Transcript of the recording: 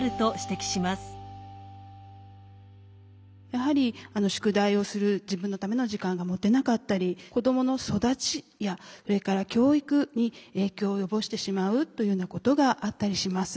やはり宿題をする自分のための時間が持てなかったり子どもの育ちやそれから教育に影響を及ぼしてしまうというようなことがあったりします。